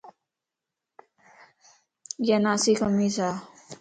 اِيا ناسي کميص ا